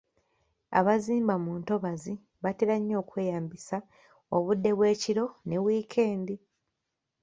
Abazimba mu ntobazi batera nnyo okweyambisa obudde bw’ekiro ne wiikendi.